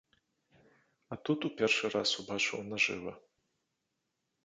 А тут у першы раз убачыў нажыва.